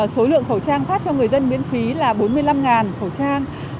số lượng khẩu trang phát cho người dân miễn phí là bốn mươi năm khẩu trang